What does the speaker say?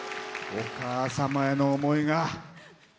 お母様への思いが。